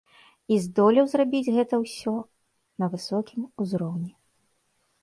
І здолеў зрабіць гэта ўсе на высокім узроўні.